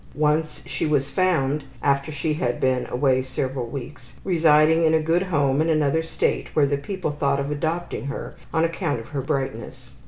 Once she was found, after she had been away several weeks, residing in a good home in another State where the people thought of adopting her on account of her brightness.